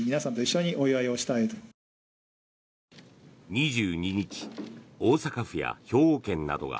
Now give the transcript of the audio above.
２２日、大阪府や兵庫県などが